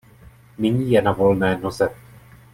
Nyní je na volné noze.